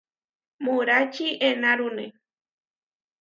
Muráči enárune.